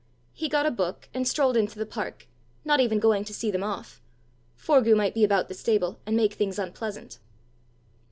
He got a book, and strolled into the park, not even going to see them off: Forgue might be about the stable, and make things unpleasant!